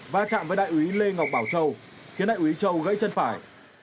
va chạm với đại úy lê ngọc bảo châu khiến đại úy châu gây chân phải